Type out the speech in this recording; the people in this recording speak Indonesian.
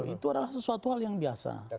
itu adalah sesuatu hal yang biasa